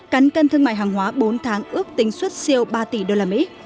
cánh cân thương mại hàng hóa bốn tháng ước tính xuất siêu ba tỷ usd